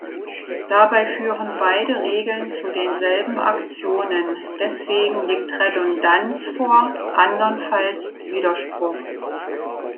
Dabei führen beide Regeln zu denselben Aktionen, deswegen liegt Redundanz vor, andernfalls Widerspruch.